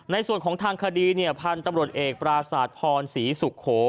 ในส่วนของทางคดีพันธุ์ตำรวจเอกปราศาสตร์พรศรีสุโข